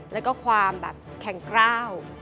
แล้วก็ความแบบแข็งกล้าว